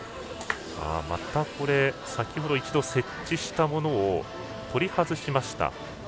また先ほど一度設置したものを取り外しました。